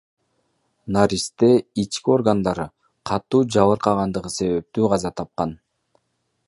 Наристе ички органдары катуу жабыркагандыгы себептүү каза тапкан.